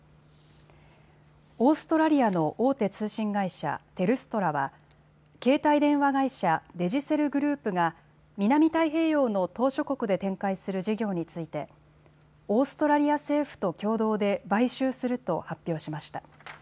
オーストラリアの大手通信会社、テルストラは携帯電話会社、デジセル・グループが南太平洋の島しょ国で展開する事業についてオーストラリア政府と共同で買収すると発表しました。